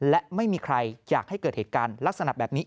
และไม่มีใครอยากให้เกิดเหตุการณ์ลักษณะแบบนี้